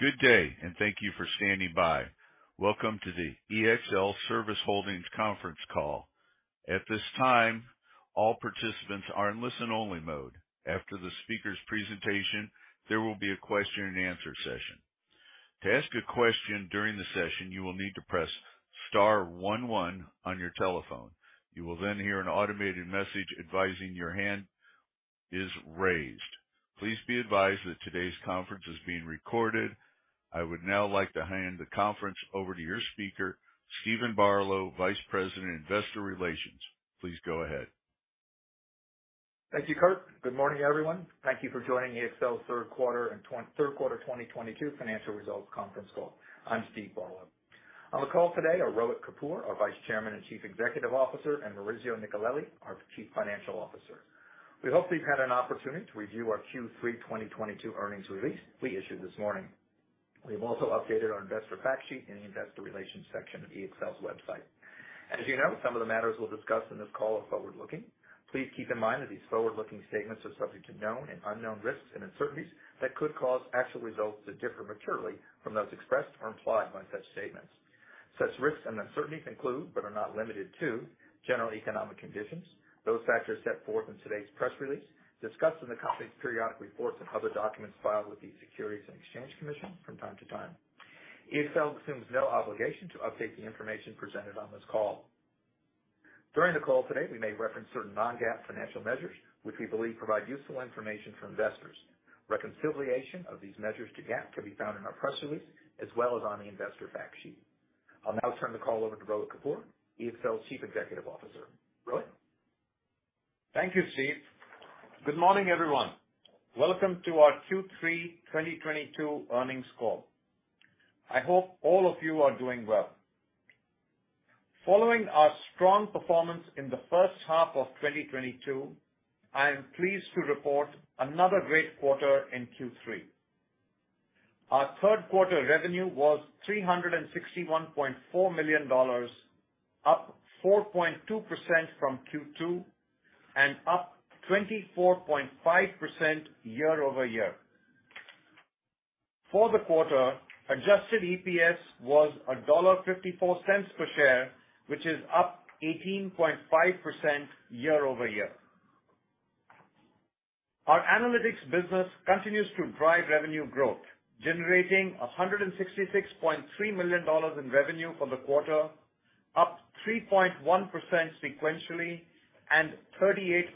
Good day, and thank you for standing by. Welcome to the ExlService Holdings, Inc. conference call. At this time, all participants are in listen-only mode. After the speaker's presentation, there will be a question and answer session. To ask a question during the session, you will need to press star one one on your telephone. You will then hear an automated message advising your hand is raised. Please be advised that today's conference is being recorded. I would now like to hand the conference over to your speaker, Steven Barlow, Vice President, Investor Relations. Please go ahead. Thank you, Kurt. Good morning, everyone. Thank you for joining EXL's third quarter 2022 financial results conference call. I'm Steven Barlow. On the call today are Rohit Kapoor, our Vice Chairman and Chief Executive Officer, and Maurizio Nicolelli, our Chief Financial Officer. We hope you've had an opportunity to review our Q3 2022 earnings release we issued this morning. We have also updated our investor fact sheet in the Investor Relations section of EXL's website. As you know, some of the matters we'll discuss in this call are forward-looking. Please keep in mind that these forward-looking statements are subject to known and unknown risks and uncertainties that could cause actual results to differ materially from those expressed or implied by such statements. Such risks and uncertainties include, but are not limited to, general economic conditions. Those factors set forth in today's press release, discussed in the company's periodic reports and other documents filed with the Securities and Exchange Commission from time to time. EXL assumes no obligation to update the information presented on this call. During the call today, we may reference certain non-GAAP financial measures which we believe provide useful information for investors. Reconciliation of these measures to GAAP can be found in our press release as well as on the investor fact sheet. I'll now turn the call over to Rohit Kapoor, EXL's Chief Executive Officer. Rohit? Thank you, Steve. Good morning, everyone. Welcome to our Q3 2022 earnings call. I hope all of you are doing well. Following our strong performance in the first half of 2022, I am pleased to report another great quarter in Q3. Our third quarter revenue was $361.4 million, up 4.2% from Q2, and up 24.5% YoY. For the quarter, Adjusted EPS was $1.54 per share, which is up 18.5% YoY. Our analytics business continues to drive revenue growth, generating $166.3 million in revenue for the quarter, up 3.1% sequentially and 38%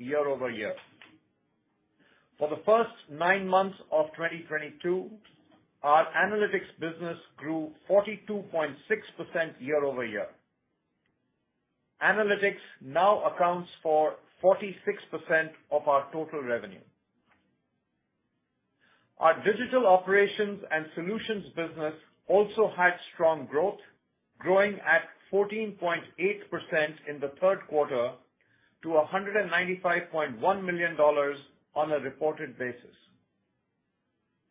YoY. For the first nine months of 2022, our analytics business grew 42.6% YoY. Analytics now accounts for 46% of our total revenue. Our digital operations and solutions business also had strong growth, growing at 14.8% in the third quarter to $195.1 million on a reported basis.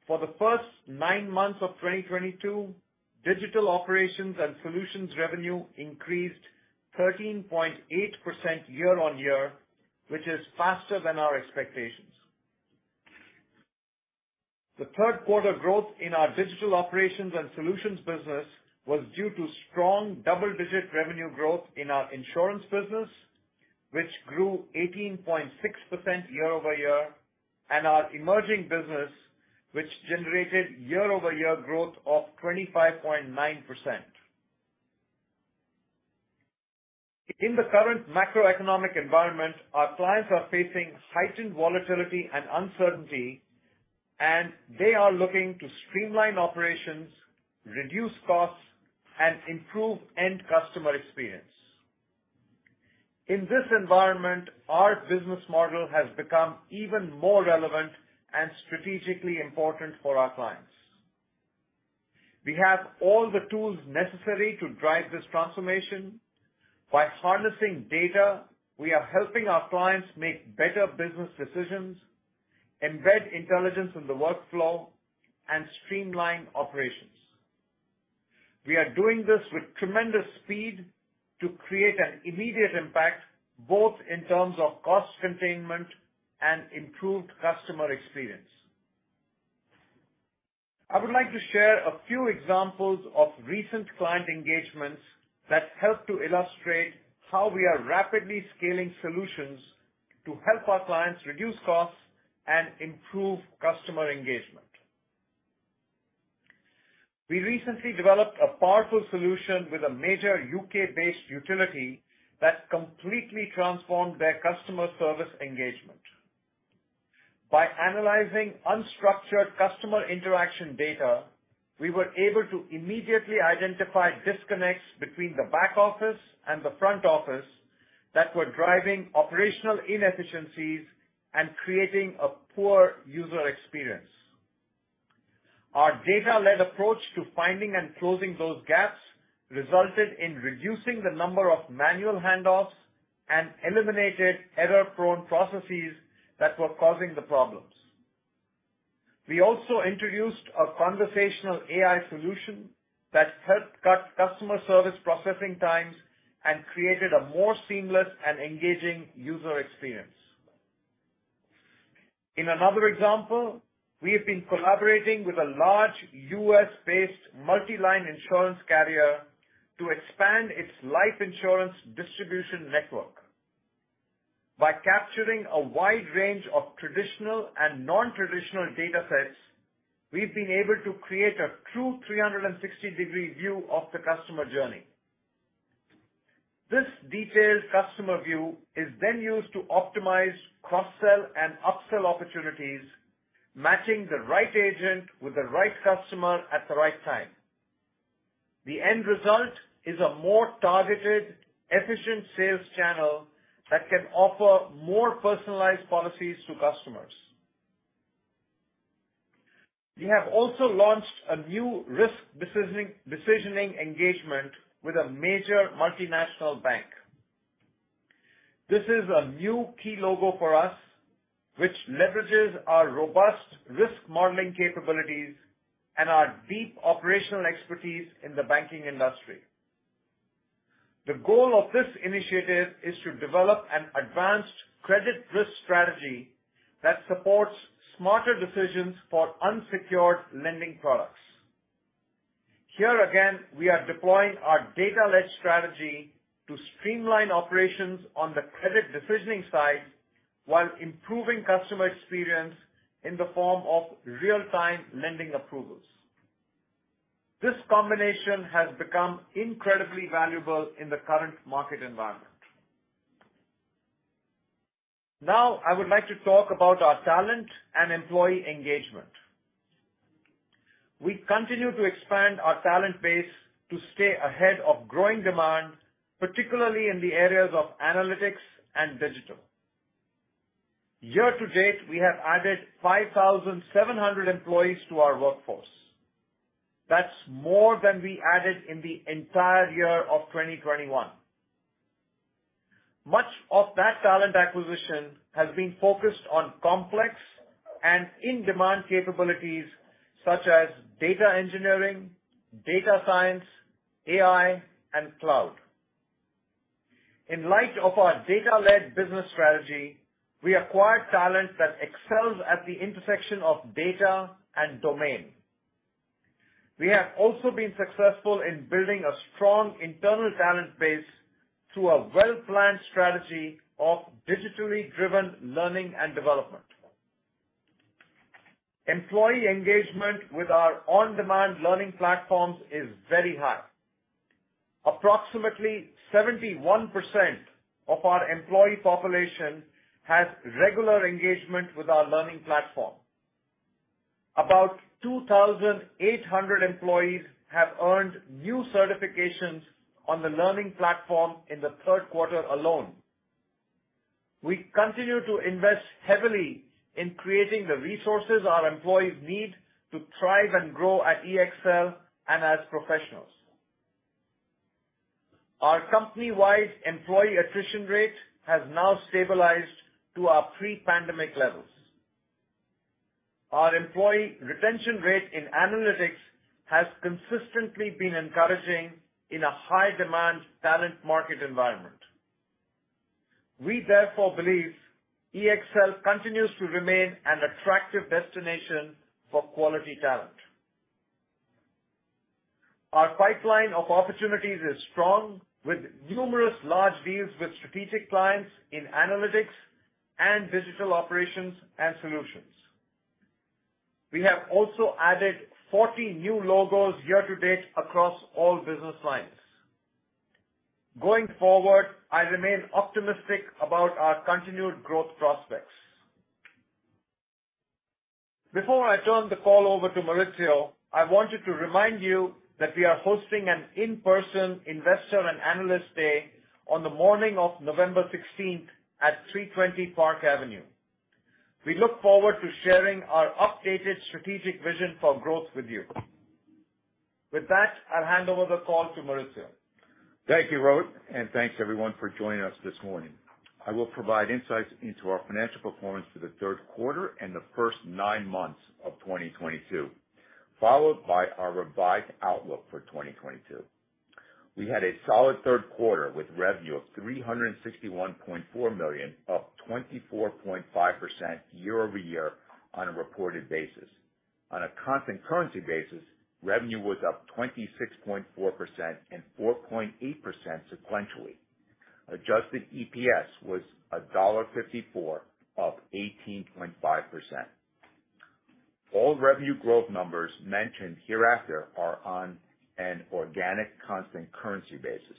For the first nine months of 2022, digital operations and solutions revenue increased 13.8% year-on-year, which is faster than our expectations. The third quarter growth in our digital operations and solutions business was due to strong double-digit revenue growth in our insurance business, which grew 18.6% YoY. Our emerging business, which generated YoY growth of 25.9%. In the current macroeconomic environment, our clients are facing heightened volatility and uncertainty, and they are looking to streamline operations, reduce costs, and improve end customer experience. In this environment, our business model has become even more relevant and strategically important for our clients. We have all the tools necessary to drive this transformation. By harnessing data, we are helping our clients make better business decisions, embed intelligence in the workflow, and streamline operations. We are doing this with tremendous speed to create an immediate impact, both in terms of cost containment and improved customer experience. I would like to share a few examples of recent client engagements that help to illustrate how we are rapidly scaling solutions to help our clients reduce costs and improve customer engagement. We recently developed a powerful solution with a major UK-based utility that completely transformed their customer service engagement. By analyzing unstructured customer interaction data, we were able to immediately identify disconnects between the back office and the front office that were driving operational inefficiencies and creating a poor user experience. Our data-led approach to finding and closing those gaps resulted in reducing the number of manual handoffs and eliminated error-prone processes that were causing the problems. We also introduced a conversational AI solution that helped cut customer service processing times and created a more seamless and engaging user experience. In another example, we have been collaborating with a large US-based multi-line insurance carrier to expand its life insurance distribution network. By capturing a wide range of traditional and non-traditional datasets, we've been able to create a true 360-degree view of the customer journey. This detailed customer view is then used to optimize cross-sell and up-sell opportunities, matching the right agent with the right customer at the right time. The end result is a more targeted, efficient sales channel that can offer more personalized policies to customers. We have also launched a new risk decision, decisioning engagement with a major multinational bank. This is a new key logo for us, which leverages our robust risk modeling capabilities and our deep operational expertise in the banking industry. The goal of this initiative is to develop an advanced credit risk strategy that supports smarter decisions for unsecured lending products. Here again, we are deploying our data-led strategy to streamline operations on the credit decisioning side while improving customer experience in the form of real-time lending approvals. This combination has become incredibly valuable in the current market environment. Now I would like to talk about our talent and employee engagement. We continue to expand our talent base to stay ahead of growing demand, particularly in the areas of analytics and digital. Year to date, we have added 5,700 employees to our workforce. That's more than we added in the entire year of 2021. Much of that talent acquisition has been focused on complex and in-demand capabilities such as data engineering, data science, AI, and cloud. In light of our data-led business strategy, we acquired talent that excels at the intersection of data and domain. We have also been successful in building a strong internal talent base through a well-planned strategy of digitally driven learning and development. Employee engagement with our on-demand learning platforms is very high. Approximately 71% of our employee population has regular engagement with our learning platform. About 2,800 employees have earned new certifications on the learning platform in the third quarter alone. We continue to invest heavily in creating the resources our employees need to thrive and grow at EXL and as professionals. Our company-wide employee attrition rate has now stabilized to our pre-pandemic levels. Our employee retention rate in analytics has consistently been encouraging in a high-demand talent market environment. We therefore believe EXL continues to remain an attractive destination for quality talent. Our pipeline of opportunities is strong with numerous large deals with strategic clients in analytics and digital operations and solutions. We have also added 40 new logos year to date across all business lines. Going forward, I remain optimistic about our continued growth prospects. Before I turn the call over to Maurizio, I wanted to remind you that we are hosting an in-person Investor and Analyst Day on the morning of November 16th at 320 Park Avenue. We look forward to sharing our updated strategic vision for growth with you. With that, I'll hand over the call to Maurizio. Thank you, Rohit, and thanks everyone for joining us this morning. I will provide insights into our financial performance for the third quarter and the first nine months of 2022, followed by our revised outlook for 2022. We had a solid third quarter, with revenue of $361.4 million, up 24.5% YoY on a reported basis. On a constant currency basis, revenue was up 26.4% and 4.8% sequentially. Adjusted EPS was $1.54, up 18.5%. All revenue growth numbers mentioned hereafter are on an organic constant currency basis.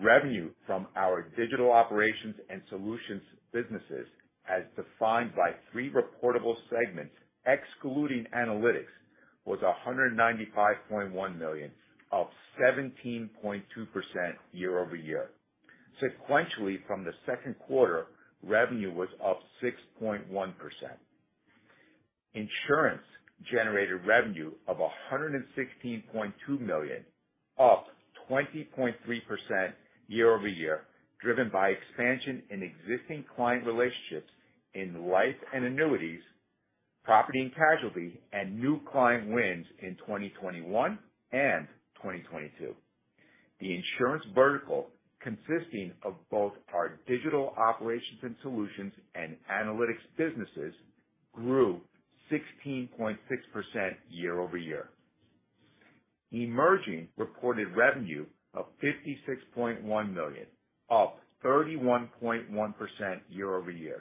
Revenue from our digital operations and solutions businesses, as defined by three reportable segments, excluding analytics, was $195.1 million, up 17.2% YoY. Sequentially, from the second quarter, revenue was up 6.1%. Insurance generated revenue of $116.2 million, up 20.3% YoY, driven by expansion in existing client relationships in life and annuities, property and casualty, and new client wins in 2021 and 2022. The insurance vertical, consisting of both our digital operations and solutions and analytics businesses, grew 16.6% YoY. Emerging reported revenue of $56.1 million, up 31.1% YoY.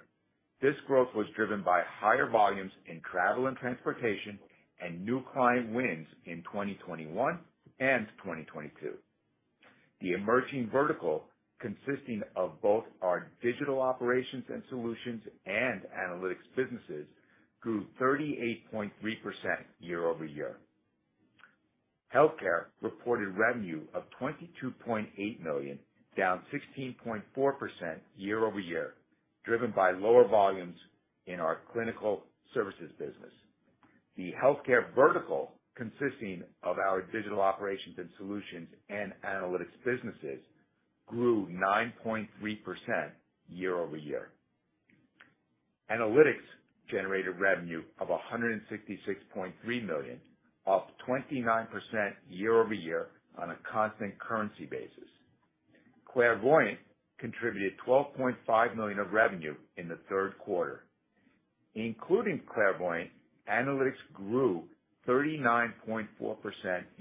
This growth was driven by higher volumes in travel and transportation and new client wins in 2021 and 2022. The emerging vertical, consisting of both our digital operations and solutions and analytics businesses, grew 38.3% YoY. Healthcare reported revenue of $22.8 million, down 16.4% YoY, driven by lower volumes in our clinical services business. The healthcare vertical, consisting of our digital operations and solutions and analytics businesses, grew 9.3% YoY. Analytics generated revenue of $166.3 million, up 29% YoY on a constant currency basis. Clairvoyant contributed $12.5 million of revenue in the third quarter. Including Clairvoyant, analytics grew 39.4%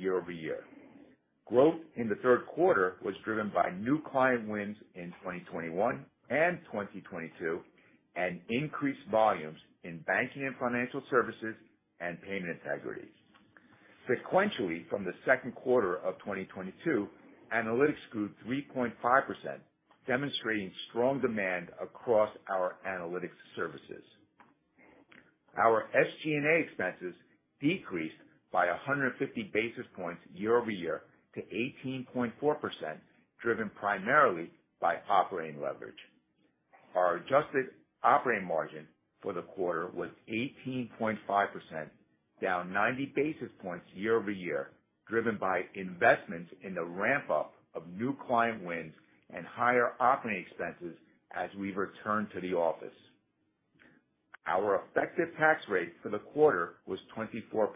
YoY. Growth in the third quarter was driven by new client wins in 2021 and 2022, and increased volumes in banking and financial services and payment integrity. Sequentially, from the second quarter of 2022, analytics grew 3.5%, demonstrating strong demand across our analytics services. Our SG&A expenses decreased by 150 basis points YoY to 18.4%, driven primarily by operating leverage. Our Adjusted operating margin for the quarter was 18.5%, down 90 basis points YoY, driven by investments in the ramp-up of new client wins and higher operating expenses as we return to the office. Our effective tax rate for the quarter was 24%,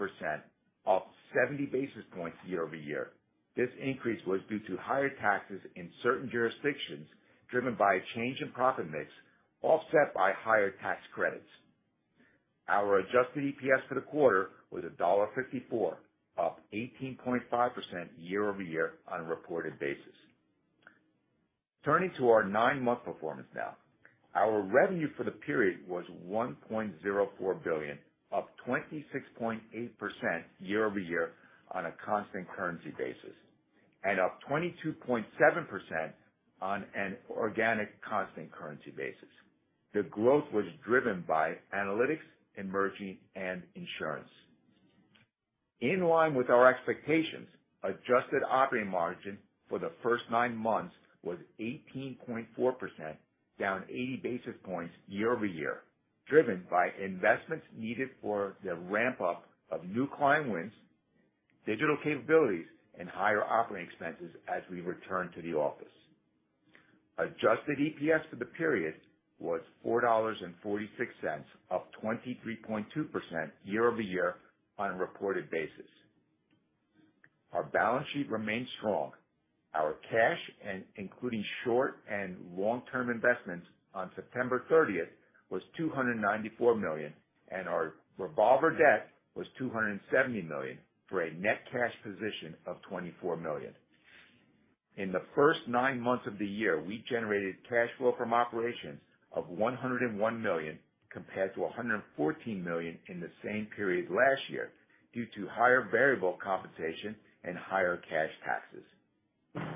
up 70 basis points YoY. This increase was due to higher taxes in certain jurisdictions driven by a change in profit mix, offset by higher tax credits. Our Adjusted EPS for the quarter was $1.54, up 18.5% YoY on a reported basis. Turning to our nine-month performance now. Our revenue for the period was $1.04 billion, up 26.8% YoY on a constant currency basis, and up 22.7% on an organic constant currency basis. The growth was driven by analytics, emerging, and insurance. In line with our expectations, Adjusted operating margin for the first nine months was 18.4%, down 80 basis points YoY, driven by investments needed for the ramp-up of new client wins, digital capabilities, and higher operating expenses as we return to the office. Adjusted EPS for the period was $4.46, up 23.2% YoY on a reported basis. Our balance sheet remains strong. Our cash and including short- and long-term investments on September 30th was $294 million, and our revolver debt was $270 million, for a net cash position of $24 million. In the first nine months of the year, we generated cash flow from operations of $101 million compared to $114 million in the same period last year due to higher variable compensation and higher cash taxes.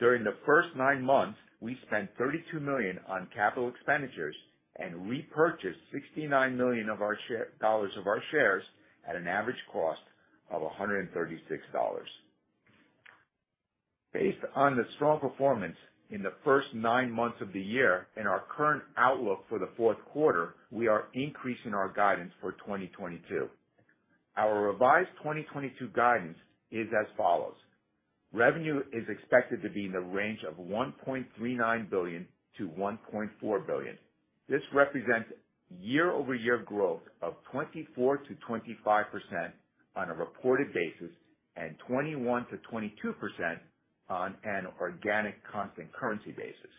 During the first nine months, we spent $32 million on capital expenditures and repurchased $69 million of our shares at an average cost of $136. Based on the strong performance in the first nine months of the year and our current outlook for the fourth quarter, we are increasing our guidance for 2022. Our revised 2022 guidance is as follows: Revenue is expected to be in the range of $1.39 billion-$1.4 billion. This represents YoY growth of 24%-25% on a reported basis and 21%-22% on an organic constant currency basis.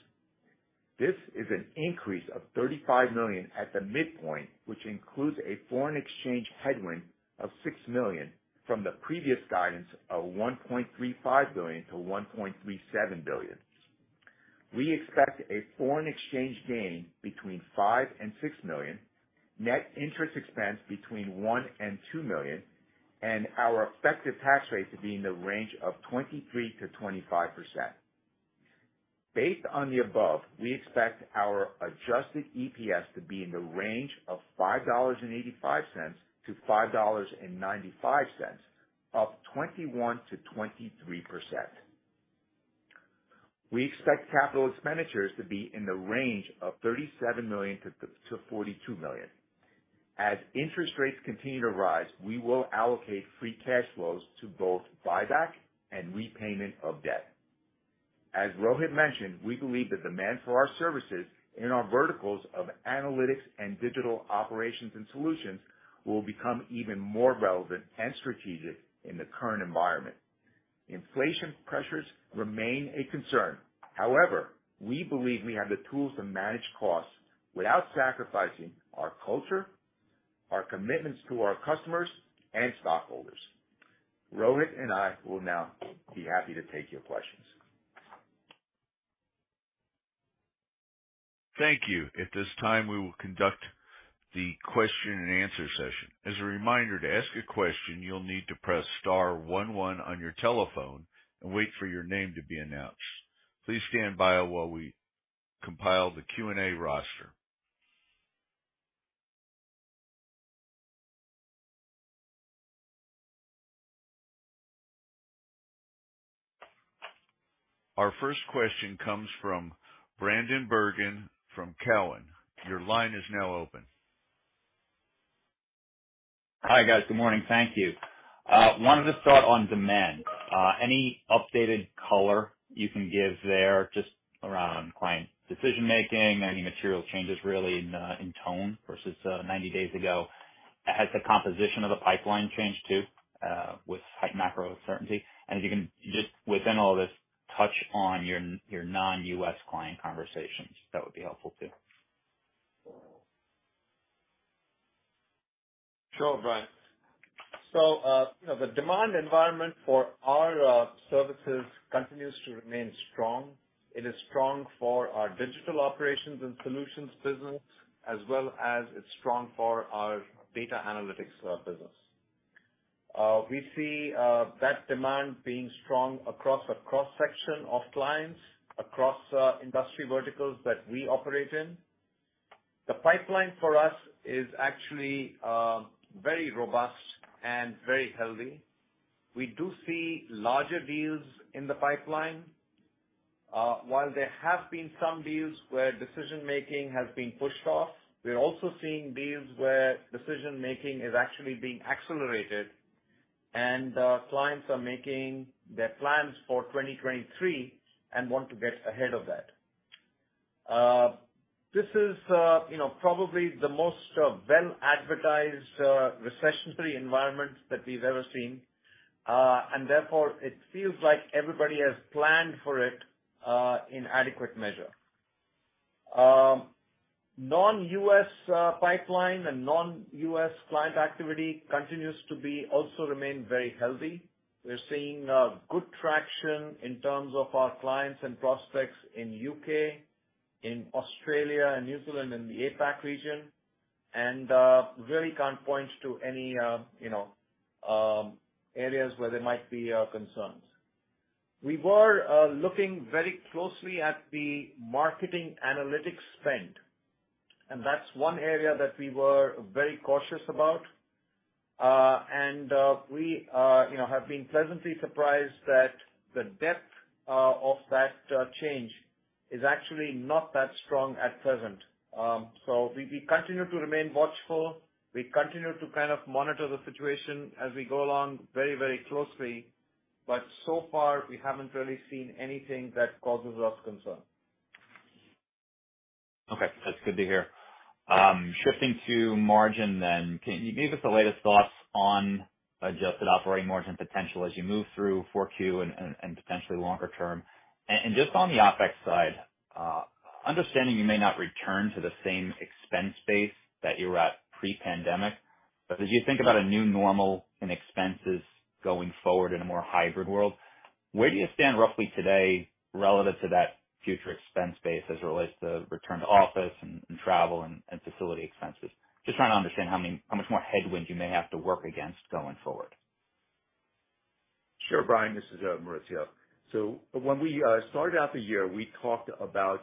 This is an increase of $35 million at the midpoint, which includes a foreign exchange headwind of $6 million from the previous guidance of $1.35 billion-$1.37 billion. We expect a foreign exchange gain between $5 million-$6 million, net interest expense between $1 million-$2 million, and our effective tax rate to be in the range of 23%-25%. Based on the above, we expect our Adjusted EPS to be in the range of $5.85-$5.95, up 21%-23%. We expect capital expenditures to be in the range of $37 million-$42 million. As interest rates continue to rise, we will allocate free cash flows to both buyback and repayment of debt. As Rohit mentioned, we believe the demand for our services in our verticals of analytics and digital operations and solutions will become even more relevant and strategic in the current environment. Inflation pressures remain a concern. However, we believe we have the tools to manage costs without sacrificing our culture, our commitments to our customers and stockholders. Rohit and I will now be happy to take your questions. Thank you. At this time, we will conduct the question and answer session. As a reminder, to ask a question, you'll need to press star one one on your telephone and wait for your name to be announced. Please stand by while we compile the Q&A roster. Our first question comes from Bryan Bergin from Cowen. Your line is now open. Hi, guys. Good morning. Thank you. One of the thoughts on demand, any updated color you can give there just around client decision-making, any material changes really in tone versus 90 days ago? Has the composition of the pipeline changed too, with heightened macro certainty? If you can just, within all this, touch on your non-US client conversations, that would be helpful too. Sure, Bryan. You know, the demand environment for our services continues to remain strong. It is strong for our digital operations and solutions business, as well as it's strong for our data analytics business. We see that demand being strong across a cross-section of clients, across industry verticals that we operate in. The pipeline for us is actually very robust and very healthy. We do see larger deals in the pipeline. While there have been some deals where decision-making has been pushed off, we're also seeing deals where decision-making is actually being accelerated and clients are making their plans for 2023 and want to get ahead of that. This is, you know, probably the most well-advertised recessionary environment that we've ever seen. Therefore it feels like everybody has planned for it in adequate measure. Non-US pipeline and non-US client activity continues to remain very healthy. We're seeing good traction in terms of our clients and prospects in UK, in Australia and New Zealand, in the APAC region, and really can't point to any you know areas where there might be concerns. We were looking very closely at the marketing analytics spend, and that's one area that we were very cautious about. We you know have been pleasantly surprised that the depth of that change is actually not that strong at present. We continue to remain watchful. We continue to kind of monitor the situation as we go along very, very closely. But so far, we haven't really seen anything that causes us concern. Okay. That's good to hear. Shifting to margin then, can you give us the latest thoughts on Adjusted operating margin potential as you move through Q4 and potentially longer term? Just on the OpEx side, understanding you may not return to the same expense base that you were at pre-pandemic, but as you think about a new normal in expenses going forward in a more hybrid world, where do you stand roughly today relative to that future expense base as it relates to return to office and travel and facility expenses? Just trying to understand how much more headwinds you may have to work against going forward. Sure, Bryan. This is Maurizio. So when we started out the year, we talked about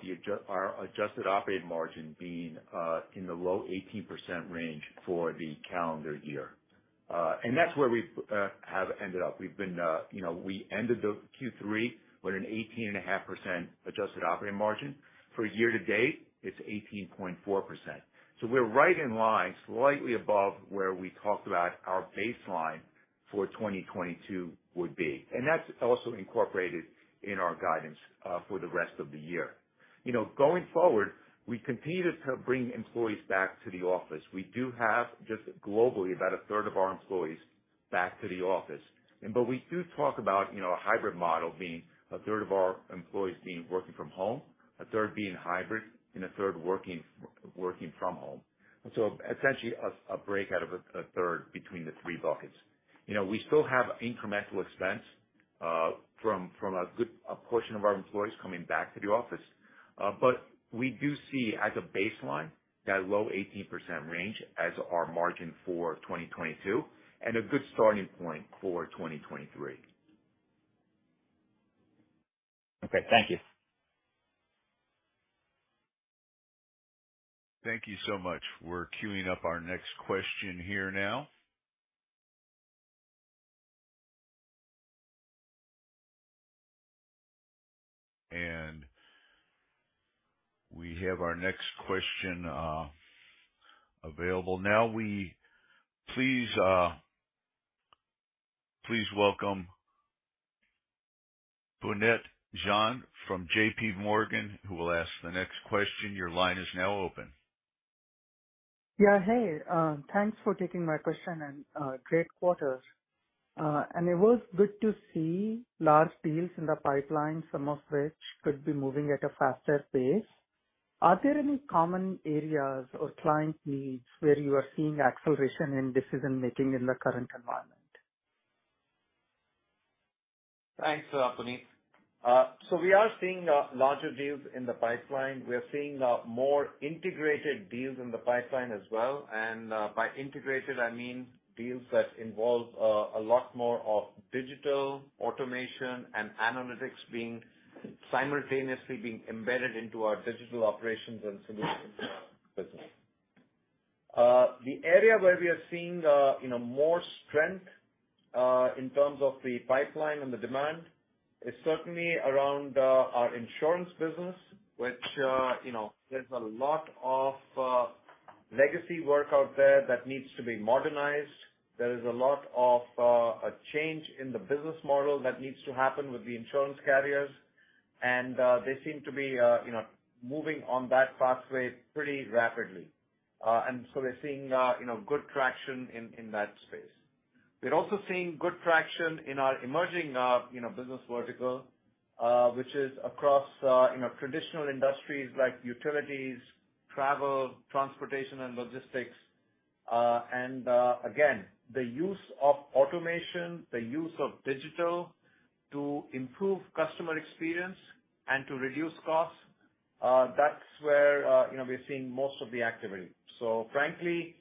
our Adjusted operating margin being in the low 18% range for the calendar year. And that's where we've have ended up. We've been, you know, we ended the Q3 with an 18.5% Adjusted operating margin. For year to date, it's 18.4%. So we're right in line, slightly above where we talked about our baseline for 2022 would be. And that's also incorporated in our guidance for the rest of the year. You know, going forward, we continue to bring employees back to the office. We do have just globally about a third of our employees back to the office. We do talk about, you know, a hybrid model being a third of our employees being working from home, a third being hybrid and a third working from home. Essentially a breakout of a third between the three buckets. You know, we still have incremental expense from a good portion of our employees coming back to the office. We do see as a baseline that low 18% range as our margin for 2022 and a good starting point for 2023. Okay. Thank you. Thank you so much. We're cueing up our next question here now. We have our next question available now. We please welcome Puneet Jain from JPMorgan, who will ask the next question. Your line is now open. Yeah. Hey, thanks for taking my question and, great quarters. It was good to see large deals in the pipeline, some of which could be moving at a faster pace. Are there any common areas or client needs where you are seeing acceleration in decision-making in the current environment? Thanks, Puneet. We are seeing larger deals in the pipeline. We are seeing more integrated deals in the pipeline as well. By integrated, I mean deals that involve a lot more of digital automation and analytics being simultaneously embedded into our digital operations and solutions business. The area where we are seeing you know, more strength in terms of the pipeline and the demand is certainly around our insurance business, which you know, there's a lot of legacy work out there that needs to be modernized. There is a lot of a change in the business model that needs to happen with the insurance carriers, and they seem to be you know, moving on that pathway pretty rapidly. We're seeing you know, good traction in that space. We're also seeing good traction in our emerging business vertical, which is across traditional industries like utilities, travel, transportation, and logistics. Again, the use of automation, the use of digital to improve customer experience and to reduce costs, that's where we're seeing most of the activity. Frankly,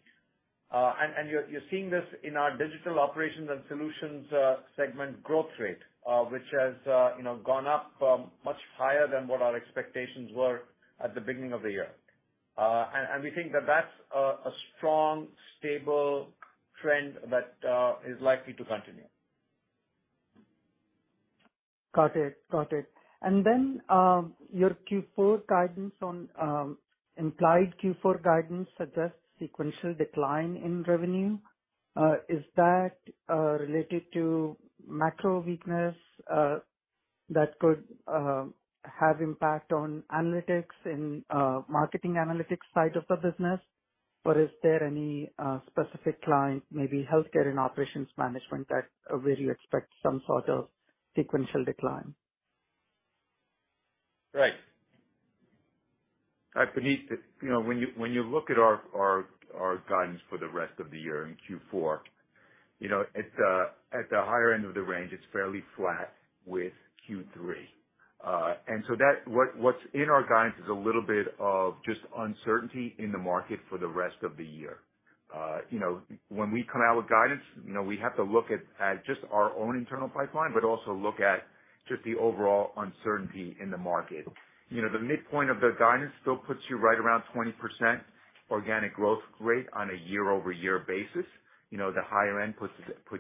you're seeing this in our digital operations and solutions segment growth rate, which has gone up much higher than what our expectations were at the beginning of the year. We think that that's a strong, stable trend that is likely to continue. Got it. Your Q4 guidance on implied Q4 guidance suggests sequential decline in revenue. Is that related to macro weakness that could have impact on analytics in marketing analytics side of the business? Is there any specific client, maybe healthcare and operations management that where you expect some sort of sequential decline? Right. Puneet, you know, when you look at our guidance for the rest of the year in Q4, you know, at the higher end of the range, it's fairly flat with Q3. What's in our guidance is a little bit of just uncertainty in the market for the rest of the year. You know, when we come out with guidance, you know, we have to look at just our own internal pipeline, but also look at just the overall uncertainty in the market. You know, the midpoint of the guidance still puts you right around 20% organic growth rate on a YoY basis. You know, the higher end puts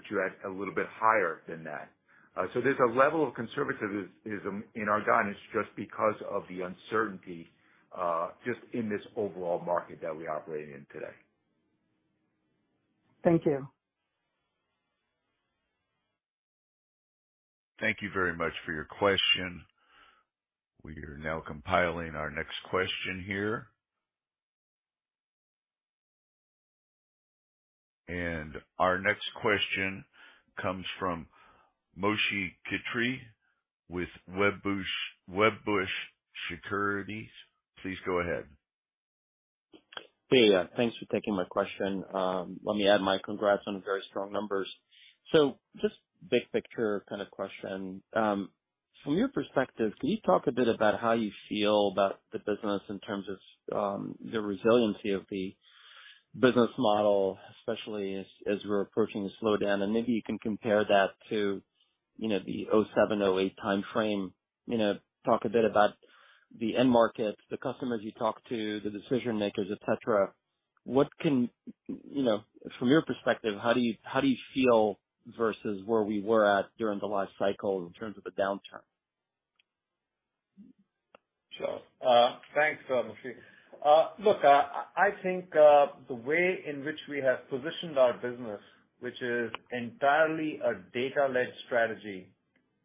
you at a little bit higher than that. There's a level of conservatism in our guidance just because of the uncertainty just in this overall market that we operate in today. Thank you. Thank you very much for your question. We are now compiling our next question here. Our next question comes from Moshe Katri with Wedbush Securities. Please go ahead. Hey. Thanks for taking my question. Let me add my congrats on very strong numbers. Just big picture kind of question. From your perspective, can you talk a bit about how you feel about the business in terms of the resiliency of the business model, especially as we're approaching a slowdown. Maybe you can compare that to, you know, the 2007, 2008 timeframe. You know, talk a bit about the end markets, the customers you talk to, the decision makers, et cetera. You know, from your perspective, how do you feel versus where we were at during the last cycle in terms of the downturn. Sure. Thanks, Moshe. Look, I think the way in which we have positioned our business, which is entirely a data-led strategy,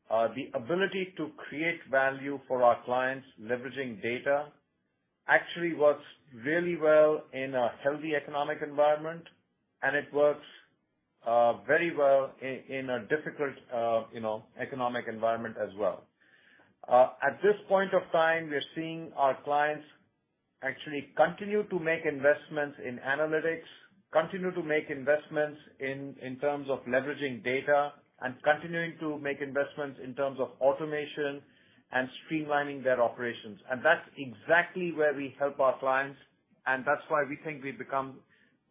the ability to create value for our clients leveraging data actually works really well in a healthy economic environment, and it works very well in a difficult, you know, economic environment as well. At this point of time, we're seeing our clients actually continue to make investments in analytics, continue to make investments in terms of leveraging data and continuing to make investments in terms of automation and streamlining their operations. That's exactly where we help our clients, and that's why we think we've become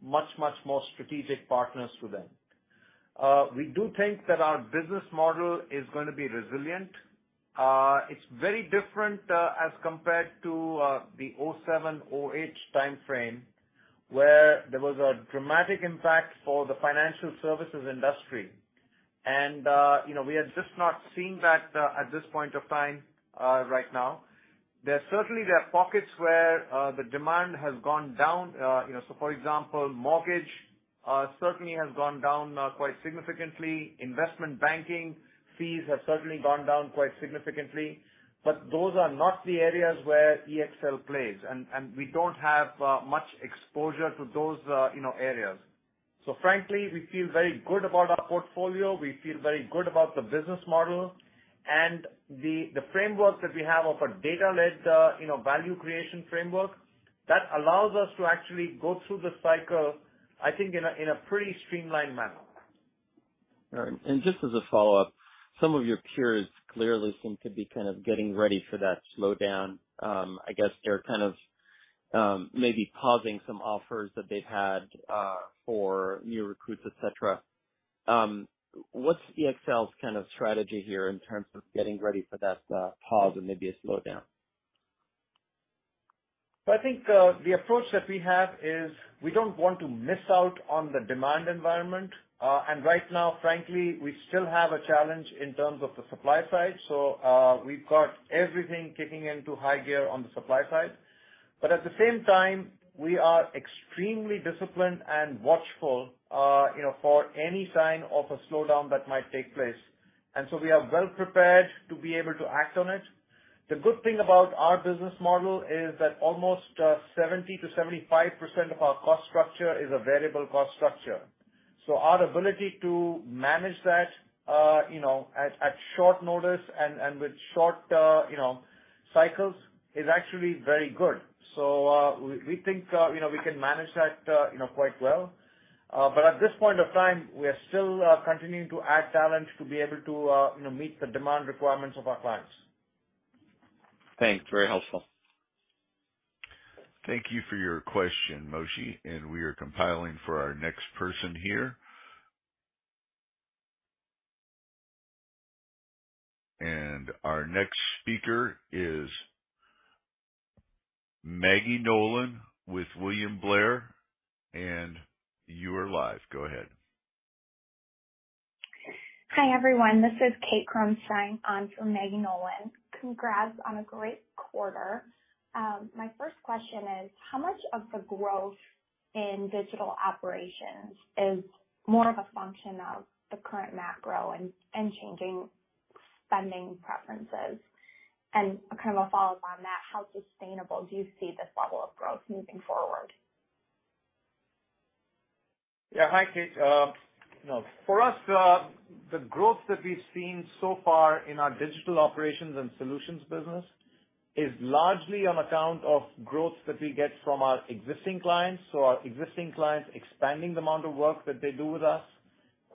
much, much more strategic partners to them. We do think that our business model is gonna be resilient. It's very different as compared to the 2007, 2008 timeframe, where there was a dramatic impact for the financial services industry. You know, we are just not seeing that at this point of time right now. There are certainly pockets where the demand has gone down. You know, so for example, mortgage certainly has gone down quite significantly. Investment banking fees have certainly gone down quite significantly. Those are not the areas where EXL plays, and we don't have much exposure to those areas. Frankly, we feel very good about our portfolio. We feel very good about the business model and the framework that we have of a data-led, you know, value creation framework that allows us to actually go through the cycle, I think in a pretty streamlined manner. All right. Just as a follow-up, some of your peers clearly seem to be kind of getting ready for that slowdown. I guess they're kind of maybe pausing some offers that they've had for new recruits, et cetera. What's EXL's kind of strategy here in terms of getting ready for that pause and maybe a slowdown? I think, the approach that we have is we don't want to miss out on the demand environment. Right now, frankly, we still have a challenge in terms of the supply side. So, we've got everything kicking into high gear on the supply side. But at the same time, we are extremely disciplined and watchful, you know, for any sign of a slowdown that might take place. We are well prepared to be able to act on it. The good thing about our business model is that almost, 70%-75% of our cost structure is a variable cost structure. So our ability to manage that, you know, at short notice and with short, you know, cycles is actually very good. We think, you know, we can manage that, you know, quite well. At this point in time, we are still continuing to add talent to be able to, you know, meet the demand requirements of our clients. Thanks. Very helpful. Thank you for your question, Moshe. We are compiling for our next person here. Our next speaker is Maggie Nolan with William Blair. You are live. Go ahead. Hi, everyone. This is Kathleen Kronstein on for Maggie Nolan. Congrats on a great quarter. My first question is, how much of the growth in digital operations is more of a function of the current macro and changing spending preferences? Kind of a follow-up on that, how sustainable do you see this level of growth moving forward? Yeah. Hi, Kate. You know, for us, the growth that we've seen so far in our digital operations and solutions business is largely on account of growth that we get from our existing clients. Our existing clients expanding the amount of work that they do with us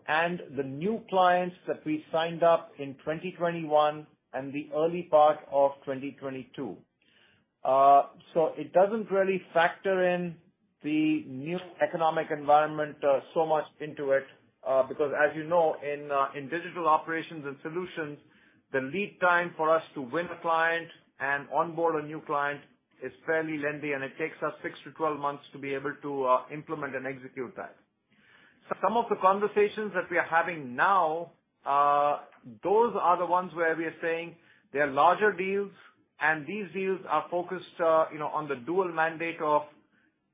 and the new clients that we signed up in 2021 and the early part of 2022. It doesn't really factor in the new economic environment so much into it, because as you know, in digital operations and solutions, the lead time for us to win a client and onboard a new client is fairly lengthy, and it takes us 6-12 months to be able to implement and execute that. Some of the conversations that we are having now, those are the ones where we are saying they are larger deals and these deals are focused, you know, on the dual mandate of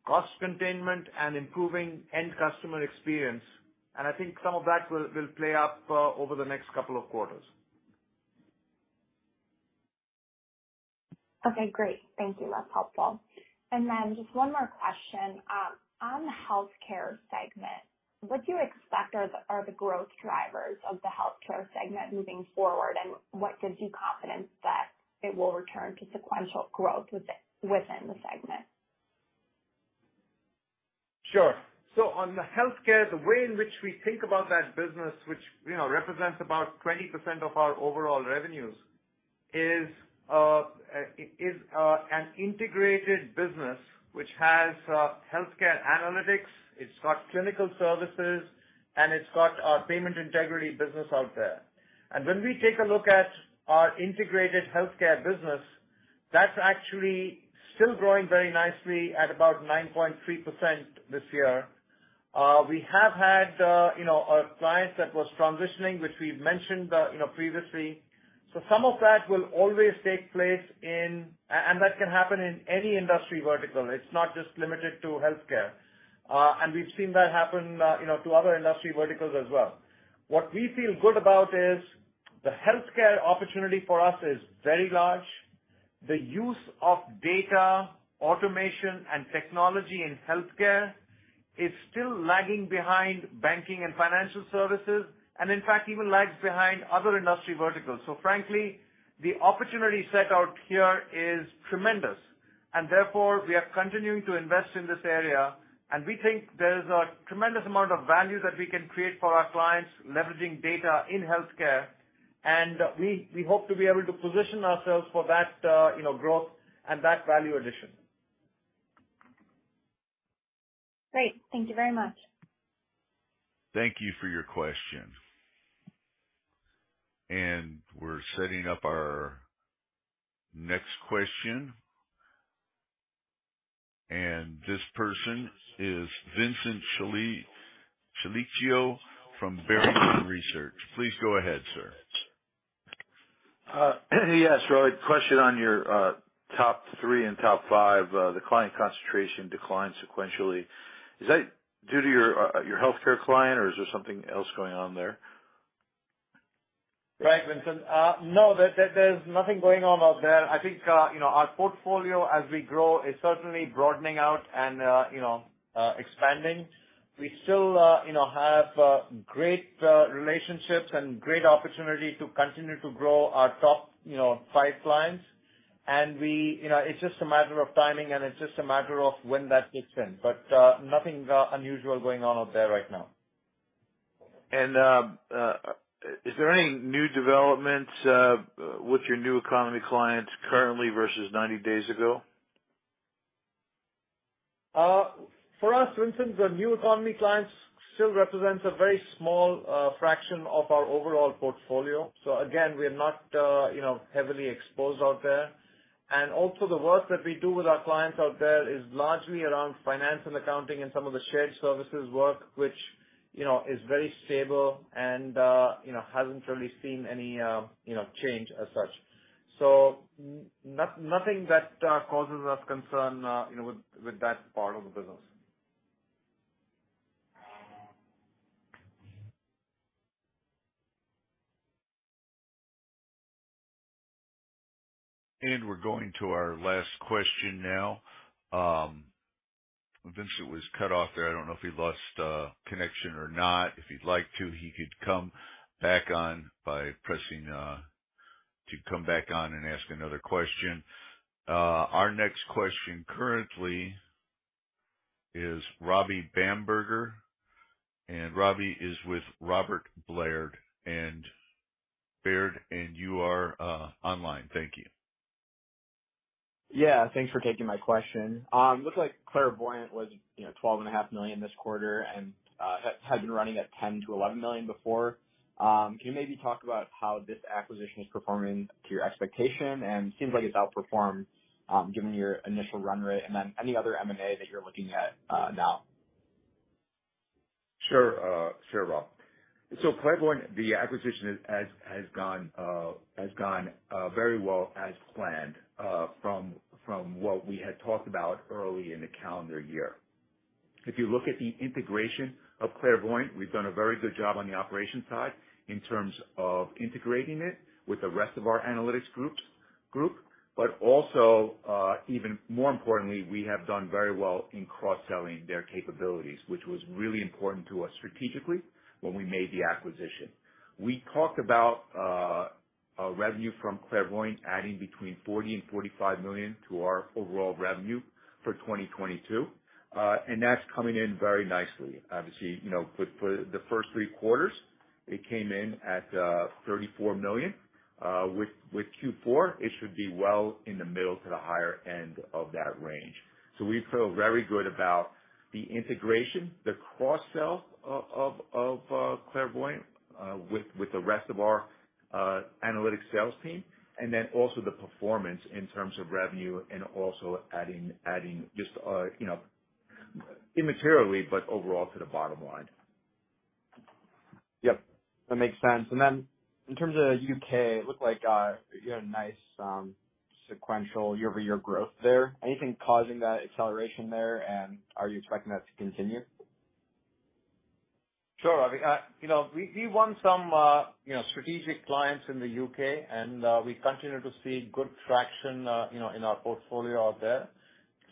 cost containment and improving end customer experience. I think some of that will play up over the next couple of quarters. Okay, great. Thank you. That's helpful. Just one more question. On the Healthcare segment, what do you expect are the growth drivers of the Healthcare segment moving forward, and what gives you confidence that it will return to sequential growth within the segment? Sure. On the Healthcare, the way in which we think about that business, which, you know, represents about 20% of our overall revenues, is an integrated business which has healthcare analytics, it's got clinical services, and it's got our payment integrity business out there. When we take a look at our integrated healthcare business, that's actually still growing very nicely at about 9.3% this year. We have had, you know, a client that was transitioning, which we've mentioned, you know, previously. Some of that will always take place. That can happen in any industry vertical. It's not just limited to healthcare. We've seen that happen, you know, to other industry verticals as well. What we feel good about is the healthcare opportunity for us is very large. The use of data, automation, and technology in Healthcare is still lagging behind banking and financial services, and in fact, even lags behind other industry verticals. Frankly, the opportunity set out here is tremendous, and therefore we are continuing to invest in this area, and we think there's a tremendous amount of value that we can create for our clients, leveraging data in Healthcare. We hope to be able to position ourselves for that, you know, growth and that value addition. Great. Thank you very much. Thank you for your question. We're setting up our next question. This person is Vincent Colicchio from Barrington Research. Please go ahead, sir. Yes, Rohit. Question on your top three and top five. The client concentration declined sequentially. Is that due to your Healthcare client or is there something else going on there? Right, Vincent. No, there's nothing going on out there. I think, you know, our portfolio as we grow is certainly broadening out and, you know, expanding. We still, you know, have great relationships and great opportunity to continue to grow our top, you know, five clients. We, you know, it's just a matter of timing, and it's just a matter of when that kicks in. Nothing unusual going on out there right now. Is there any new developments with your new economy clients currently versus 90 days ago? For us, Vincent, the new economy clients still represents a very small fraction of our overall portfolio. Again, we're not, you know, heavily exposed out there. Also the work that we do with our clients out there is largely around finance and accounting and some of the shared services work, which, you know, is very stable and, you know, hasn't really seen any, you know, change as such. Nothing that causes us concern, you know, with that part of the business. We're going to our last question now. Vincent was cut off there. I don't know if he lost connection or not. If he'd like to, he could come back on by pressing to come back on and ask another question. Our next question currently is Robbie Bamberger. Robbie is with Robert W. Baird. Baird, you are online. Thank you. Yeah, thanks for taking my question. Looks like Clairvoyant was, you know, $12.5 million this quarter and had been running at $10-11 million before. Can you maybe talk about how this acquisition is performing to your expectation? Seems like it's outperformed, given your initial run rate and then any other M&A that you're looking at now. Sure, Robbie. Clairvoyant, the acquisition has gone very well as planned from what we had talked about early in the calendar year. If you look at the integration of Clairvoyant, we've done a very good job on the operations side in terms of integrating it with the rest of our analytics group, but also, even more importantly, we have done very well in cross-selling their capabilities, which was really important to us strategically when we made the acquisition. We talked about a revenue from Clairvoyant adding between $40 million and $45 million to our overall revenue for 2022. And that's coming in very nicely. Obviously, you know, with the first three quarters, it came in at $34 million. With Q4, it should be well in the middle to the higher end of that range. We feel very good about the integration, the cross-sell of Clairvoyant with the rest of our analytics sales team, and then also the performance in terms of revenue and also adding just, you know, immaterially but overall to the bottom line. Yep, that makes sense. Then in terms of U.K., it looked like you had a nice sequential YoY growth there. Anything causing that acceleration there, and are you expecting that to continue? Sure, Robbie. You know, we won some, you know, strategic clients in the UK, and we continue to see good traction, you know, in our portfolio out there.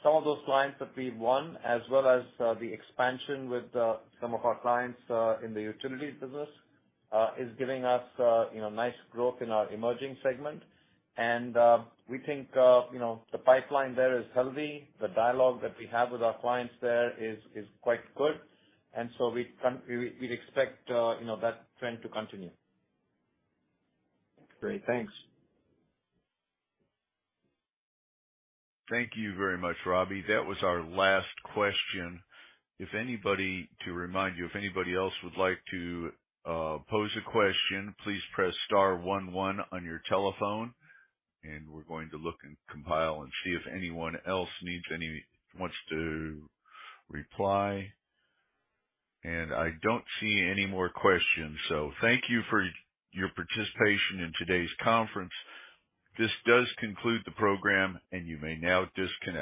Some of those clients that we've won, as well as the expansion with some of our clients in the utilities business is giving us, you know, nice growth in our emerging segment. We think, you know, the pipeline there is healthy. The dialogue that we have with our clients there is quite good. We'd expect, you know, that trend to continue. Great. Thanks. Thank you very much, Robbie. That was our last question. To remind you, if anybody else would like to pose a question, please press star one one on your telephone, and we're going to look and compile and see if anyone else wants to reply. I don't see any more questions, so thank you for your participation in today's conference. This does conclude the program, and you may now disconnect.